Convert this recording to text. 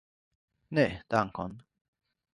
Ne, dankon.